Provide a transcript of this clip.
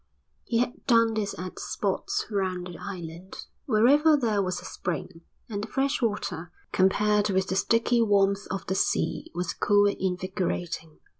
He had done this at spots round the island, wherever there was a spring; and the fresh water, compared with the sticky warmth of the sea, was cool and invigorating.